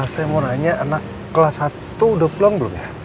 saya mau nanya anak kelas satu udah pulang belum ya